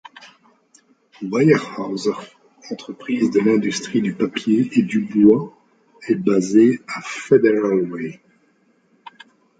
Weyerhaeuser, entreprise de l'industrie du papier et du bois, est basée à Federal Way.